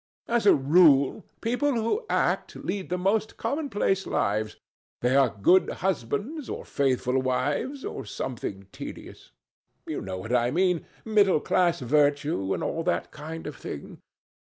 As a rule, people who act lead the most commonplace lives. They are good husbands, or faithful wives, or something tedious. You know what I mean—middle class virtue and all that kind of thing.